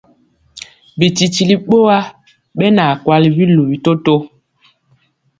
Bititili ɓowa ɓɛ na kwali biluvi toto.